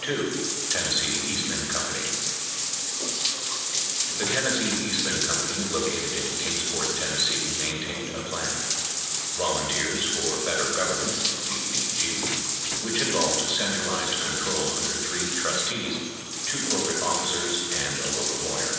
2. TENNESSEE EASTMAN CO. The Tennessee Eastman Co., located in Kingsport, Tenn., main tained a plan: Volunteers for Better Government (VBG), which involved centralized control under three trustees, two corporate offi cers and a local lawyer.